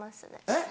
えっ？